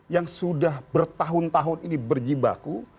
yang sudah bertahun tahun ini berjibaku